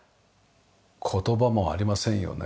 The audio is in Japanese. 言葉もありませんよね。